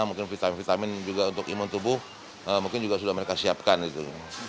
mungkin vitamin vitamin juga untuk imun tubuh mungkin juga sudah mereka siapkan gitu